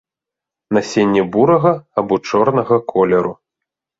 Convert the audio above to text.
Насенне бурага або чорнага колеру.